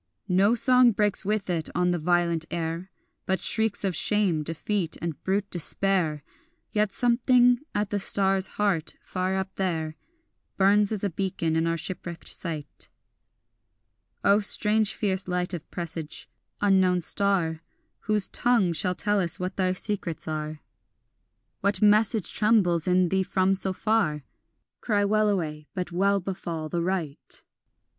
No song breaks with it on the violent air, But shrieks of shame, defeat, and brute despair; Yet something at the star's heart far up there Burns as a beacon in our shipwrecked sight. O strange fierce light of presage, unknown star, Whose tongue shall tell us what thy secrets are, What message trembles in thee from so far? Cry wellaway, but well befall the right.